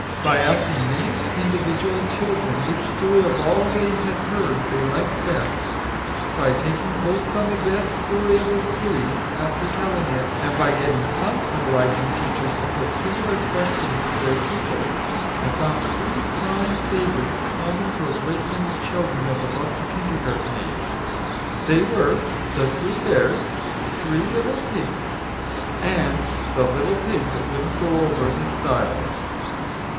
By asking many individual children which story of all they had heard they liked best, by taking votes on the best story of a series, after telling it, and by getting some obliging teachers to put similar questions to their pupils, I found three prime favourites common to a great many children of about the kindergarten age. They were The Three Bears, Three Little Pigs, and The Little Pig that wouldn't go over the Stile.